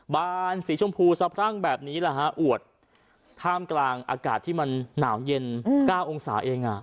บานสีชมพูสะพรั่งแบบนี้แหละฮะอวดท่ามกลางอากาศที่มันหนาวเย็น๙องศาเองอ่ะ